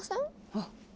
あっ。